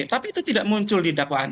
tapi itu tidak muncul di dakwaan